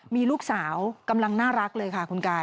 มีลูกสาวกำลังน่ารักเลยค่ะคุณกาย